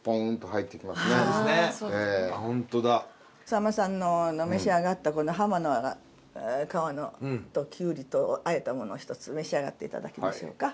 草間さんの召し上がった鱧の皮ときゅうりとをあえたものをひとつ召し上がって頂きましょうか。